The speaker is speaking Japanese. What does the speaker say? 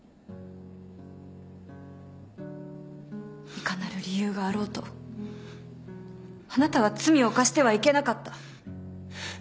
いかなる理由があろうとあなたは罪を犯してはいけなかった。